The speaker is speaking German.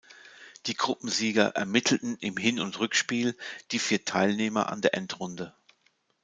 Die Gruppensieger ermittelten im Hin- und Rückspiel die vier Teilnehmer an der Endrunde.